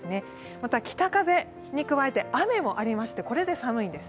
また、北風に加えて雨もありましてこれも寒いんです。